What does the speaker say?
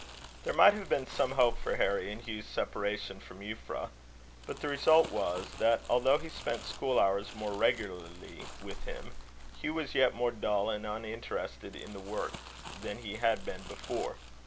There might have been some hope for Harry in Hugh's separation from Euphra; but the result was, that, although he spent school hours more regularly with him, Hugh was yet more dull, and uninterested in the work, than he had been before.